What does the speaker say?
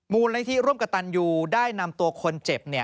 มูลนิธิร่วมกับตันยูได้นำตัวคนเจ็บ